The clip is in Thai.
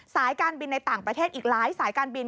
สายการบินในต่างประเทศอีกหลายสายการบิน